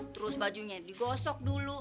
terus bajunya digosok dulu